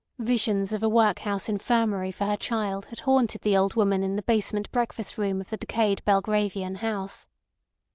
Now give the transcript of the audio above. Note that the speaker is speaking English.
Visions of a workhouse infirmary for her child had haunted the old woman in the basement breakfast room of the decayed Belgravian house.